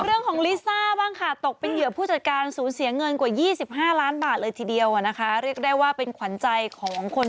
เอฟถ้าตกเป็นเหยื่อผู้จัดการสูงเสียเงินกว่า๒๕ล้านบาทเลยทีเดียวนะคะเรียกได้ว่าเป็นหวังใจของคน